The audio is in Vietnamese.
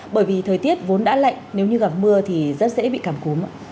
bởi vì thời tiết vốn đã lạnh nếu như gặp mưa thì rất dễ bị cảm cúm ạ